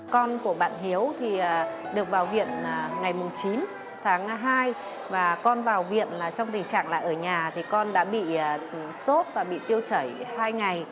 con của bạn hiếu thì được vào viện ngày chín tháng hai và con vào viện là trong tình trạng là ở nhà thì con đã bị sốt và bị tiêu chảy hai ngày